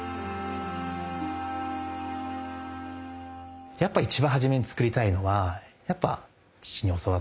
やっぱ一番初めに作りたいのはやっぱ父に教わった桜の桜色。